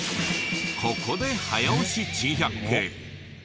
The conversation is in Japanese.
ここで早押し珍百景。